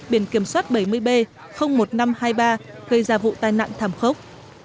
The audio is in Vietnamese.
biển kiểm soát bảy mươi b một nghìn năm trăm hai mươi ba gây ra vụ tai nạn thảm khốc